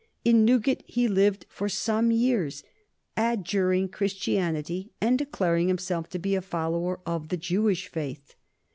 In Newgate he lived for some years, adjuring Christianity, and declaring himself to be a follower of the Jewish faith.